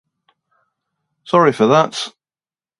Sorry for that.